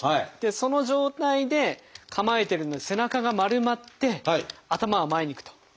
その状態で構えてるので背中が丸まって頭は前にいくと。